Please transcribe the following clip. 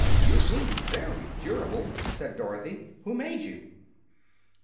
"You seem very durable," said Dorothy. "Who made you?"